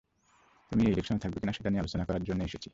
তুমি এই ইলেকশনে থাকবে কিনা, সেটা নিয়ে আলোচনা করার জন্যই এসেছি।